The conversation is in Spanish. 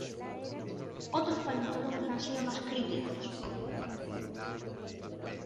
Otros paleontólogos han sido más críticos.